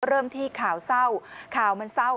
เริ่มที่ข่าวเศร้าข่าวมันเศร้า